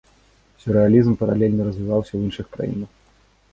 Сюррэалізм паралельна развіваўся ў іншых краінах.